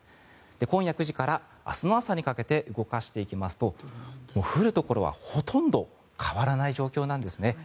今夜９時から明日の朝にかけて動かしていきますと降るところはほとんど変わらない状況なんですね。